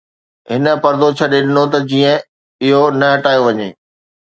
هن پردو ڇڏي ڏنو ته جيئن اهو نه هٽايو وڃي